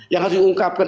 yang harus diungkapkan